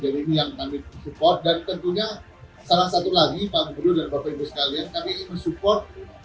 jadi ini yang kami support dan tentunya salah satu lagi pak guru dan bapak ibu sekalian kami support